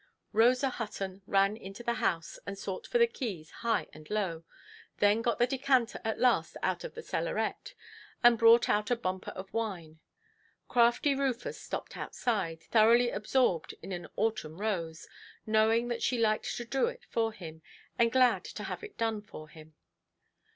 Rosa Hutton ran into the house, and sought for the keys high and low; then got the decanter at last out of the cellaret, and brought out a bumper of wine. Crafty Rufus stopped outside, thoroughly absorbed in an autumn rose; knowing that she liked to do it for him, and glad to have it done for him.